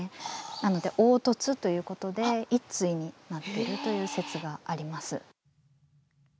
なので、凹凸ということで一対になっているという説があります。